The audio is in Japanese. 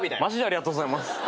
マジでありがとうございます。